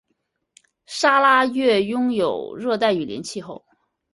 砂拉越拥有热带雨林气候。